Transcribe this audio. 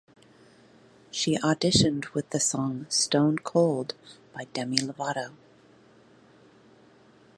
She auditioned with the song "Stone Cold" by Demi Lovato.